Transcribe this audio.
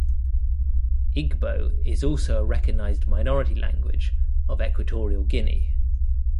Igbo is also a recognised minority language of Equatorial Guinea.